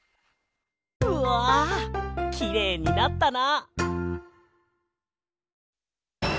うわきれいになったな！